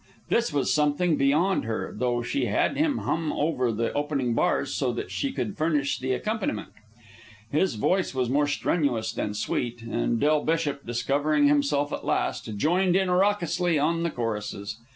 This was something beyond her, though she had him hum over the opening bars so that she could furnish the accompaniment. His voice was more strenuous than sweet, and Del Bishop, discovering himself at last, joined in raucously on the choruses.